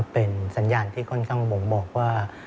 เป็นสัญญาณที่ค่อนข้างบ่งบอกว่า